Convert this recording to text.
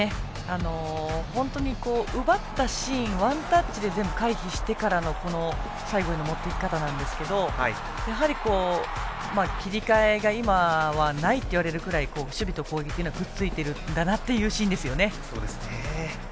本当に奪ったシーンワンタッチで全部回避してからの最後への持っていき方なんですけどやはり切り替えがないといわれるぐらい守備と攻撃がくっついているというシーンですよね。